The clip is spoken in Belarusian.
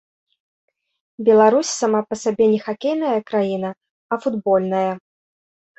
Беларусь сама па сабе не хакейная краіна, а футбольная.